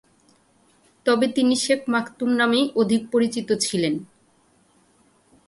তবে তিনি Sheikh Maktoum নামেই অধিক পরিচিত ছিলেন।